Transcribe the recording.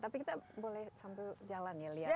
tapi kita boleh sambil jalan ya lihat